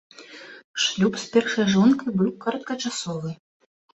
Шлюб з першай жонкай быў кароткачасовы.